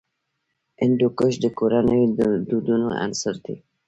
هندوکش د کورنیو د دودونو عنصر دی.